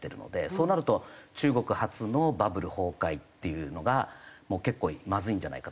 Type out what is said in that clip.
そうなると中国初のバブル崩壊っていうのがもう結構まずいんじゃないかという状況。